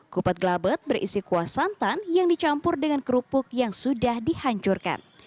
kupat gelabet berisi kuah santan yang dicampur dengan kerupuk yang sudah dihancurkan